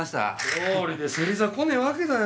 どうりで芹沢来ねえわけだよ。